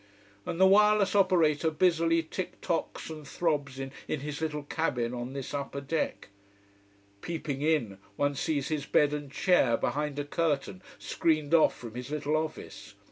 And the wireless operator busily tick tocks and throbs in his little cabin on this upper deck. Peeping in, one sees his bed and chair behind a curtain, screened off from his little office.